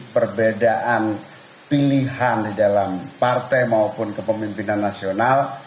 perbedaan pilihan di dalam partai maupun kepemimpinan nasional